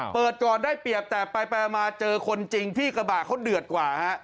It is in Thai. เปิดก่อนได้เปรียบแต่ไปมาเจอคนจริงพี่กระบะเขาเดือดกว่าฮะ